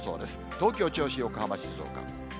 東京、銚子、横浜、静岡。